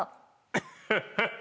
「ハハハハ！